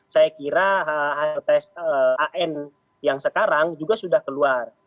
saya kira hasil tes an yang sekarang juga sudah keluar